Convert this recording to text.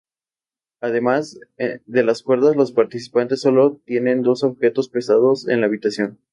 Además de las cuerdas, los participantes solo tienen dos objetos pesados en la habitación.